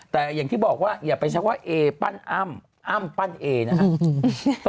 แต่อย่างที่บอกว่าอย่าไปชักว่าเอปั้นอ้ำอ้ำปั้นเอนะครับ